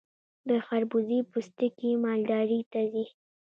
د خربوزې پوستکي مالداري ته ځي.